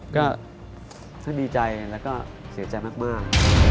ก็บีใจละก็เสียใจมาก